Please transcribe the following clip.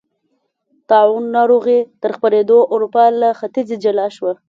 طاعون ناروغۍ تر خپرېدو اروپا له ختیځې جلا شوه.